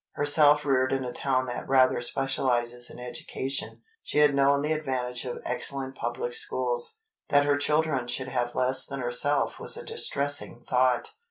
Herself reared in a town that rather specializes in education, she had known the advantage of excellent public schools. That her children should have less than herself was a distressing thought.